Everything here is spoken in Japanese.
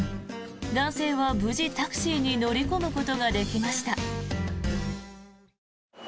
男性は無事、タクシーに乗り込むことができました。